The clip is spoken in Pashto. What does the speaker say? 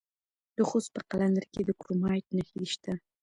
د خوست په قلندر کې د کرومایټ نښې شته.